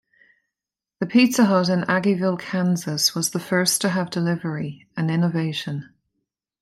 The Pizza Hut in Aggieville, Kansas was the first to have delivery, an innovation.